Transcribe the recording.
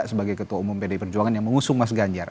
sebagai ketua umum pdi perjuangan yang mengusung mas ganjar